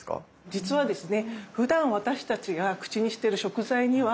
実はですね